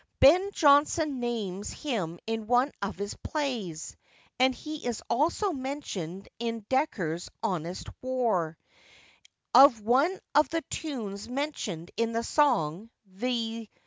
Ben Jonson names him in one of his plays, and he is also mentioned in Dekker's Honest Whore. Of one of the tunes mentioned in the song, viz.